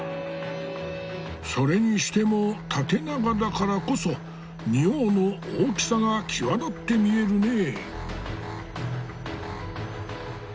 それにしても縦長だからこそ仁王の大きさが際立って見えるねえ。